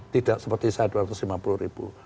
tidak seperti saya dua ratus lima puluh ribu